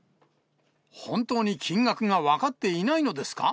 本当に金額が分かっていないのですか？